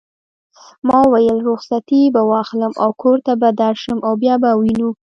ما وویل: رخصتې به واخلم او کور ته به درشم او بیا به وینو.